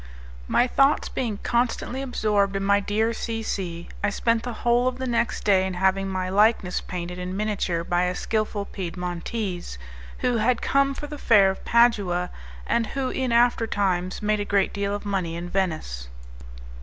My thoughts being constantly absorbed in my dear C C , I spent the whole of the next day in having my likeness painted in miniature by a skilful Piedmontese, who had come for the Fair of Padua, and who in after times made a great deal of money in Venice.